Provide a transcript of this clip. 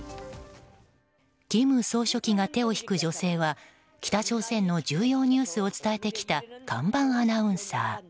金総書記が手を引く女性は北朝鮮の重要ニュースを伝えてきた看板アナウンサー。